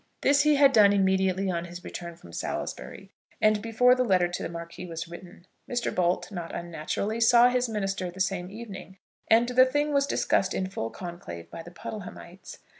This he had done immediately on his return from Salisbury, and before the letter to the Marquis was written. Mr. Bolt, not unnaturally, saw his minister the same evening, and the thing was discussed in full conclave by the Puddlehamites.